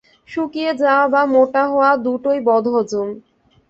শুকিয়ে যাওয়া বা মোটা হওয়া দুটোই বদহজম।